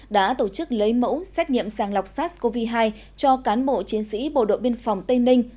đã tổ chức lấy mẫu xét nghiệm sàng lọc sars cov hai cho cán bộ chiến sĩ bộ đội biên phòng tây ninh